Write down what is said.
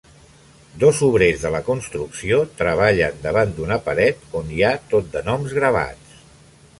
Dos obrers de la construcció treballen davant d'una paret on hi ha tot de noms gravats